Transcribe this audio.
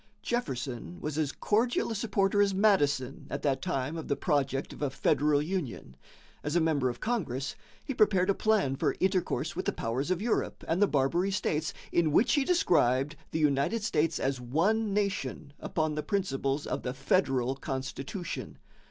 Jefferson was as cordial a supporter as Madison at that time of the project of a federal union. As a member of Congress, he prepared a plan for intercourse with the powers of Europe and the Barbary States, in which he described "the United States as one nation upon the principles of the federal constitution."